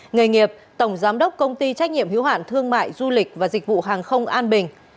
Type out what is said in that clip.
nghề nghiệp tổng giám đốc công ty trách nhiệm hiếu hạn thương mại du lịch và dịch vụ hàng không an bình